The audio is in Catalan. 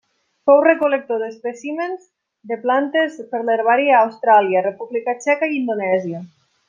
Fou recol·lector d'espècimens de plantes per l'herbari a Austràlia, República Txeca i Indonèsia.